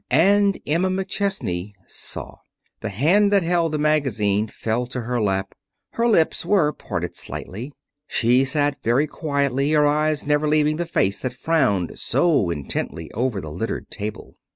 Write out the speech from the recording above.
And Emma McChesney saw. The hand that held the magazine fell to her lap. Her lips were parted slightly. She sat very quietly, her eyes never leaving the face that frowned so intently over the littered table.